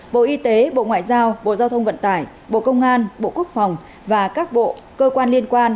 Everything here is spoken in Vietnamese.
bộ y tế bộ ngoại giao bộ giao thông vận tải bộ công an bộ quốc phòng và các bộ cơ quan liên quan